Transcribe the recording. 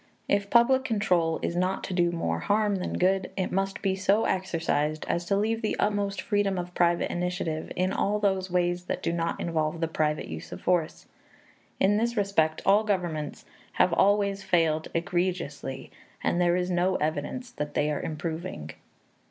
If public control is not to do more harm than good, it must be so exercised as to leave the utmost freedom of private initiative in all those ways that do not involve the private use of force. In this respect all governments have always failed egregiously, and there is no evidence that they are improving.